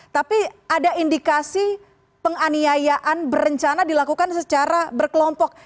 tapi ada indikasi penganiayaan berencana dilakukan secara berkelompok